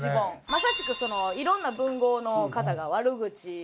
まさしくいろんな文豪の方が悪口を切り取って。